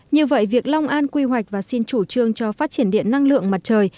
như vậy việc long an quy hoạch và xin chủ trương cho phát triển điện năng lượng mặt trời